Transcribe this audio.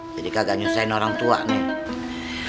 jadi kagak nyusahin orang tua nih